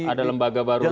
ada lembaga baru lagi